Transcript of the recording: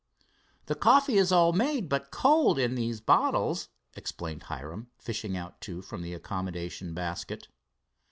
"The coffee is all made, but cold, in these bottles," explained Hiram, fishing out two from the accommodation basket.